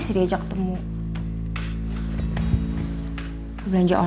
saya juga sayang sekali